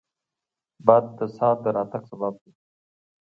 باد د سا د راتګ سبب دی